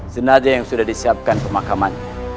senada yang sudah disiapkan ke makamannya